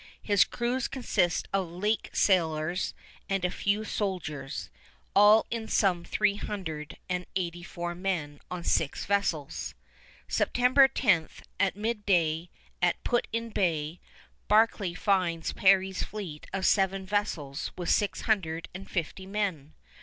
His crews consist of lake sailors and a few soldiers, in all some three hundred and eighty four men on six vessels. September 10, at midday, at Put in Bay, Barclay finds Perry's fleet of seven vessels with six hundred and fifty men.